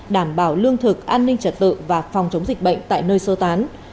đảm bảo lương thực an ninh trật tự và phòng chống dịch bệnh tại nơi sơ tán